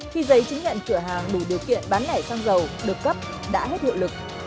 khi giấy chứng nhận cửa hàng đủ điều kiện bán lẻ xăng dầu được cấp đã hết hiệu lực